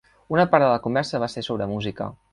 Una part de la conversa va ser sobre música.